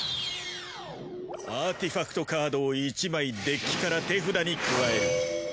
アーティファクトカードを１枚デッキから手札に加える。